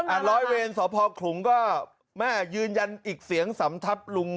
ร้อยเวรสพขลุงก็แม่ยืนยันอีกเสียงสำทับลุง